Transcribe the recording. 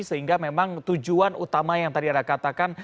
sehingga memang tujuan utama yang tadi anda katakan